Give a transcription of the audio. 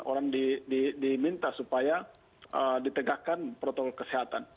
orang diminta supaya ditegakkan protokol kesehatan